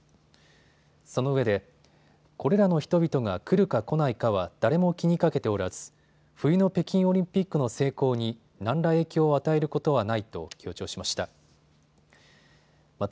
そのうえでこれらの人々が来るか来ないかは誰も気にかけておらず冬の北京オリンピックの成功に何ら影響を与えることはないと強調しました。